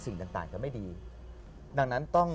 สิ่งต่างจะไม่ดีดังนั้นต้อง